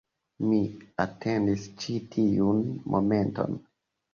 Mi atendis ĉi tiun momenton